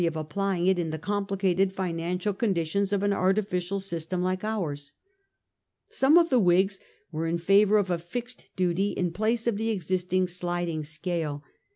of applying it in the complicated financial conditions of an artificial system like ours. Some of the Whigs were in favour of a fixed duty in place of the existing sliding scale.